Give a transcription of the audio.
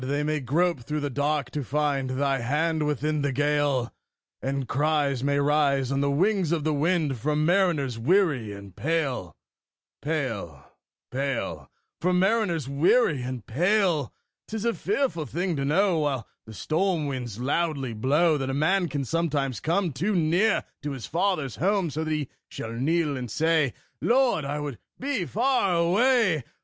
they may grope through the dark to find Thy hand within the gale; And cries may rise on the wings of the wind From mariners weary and pale, pale, pale From mariners weary and pale! 'Tis a fearful thing to know, While the storm winds loudly blow, That a man can sometimes come Too near to his father's home; So that he shall kneel and say, "Lord, I would be far away!"